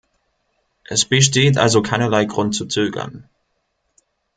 Es besteht also keinerlei Grund zu zögern.